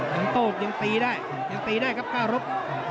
ขวานโต้ลยังตีได้ยังตีได้ครับก้าลบ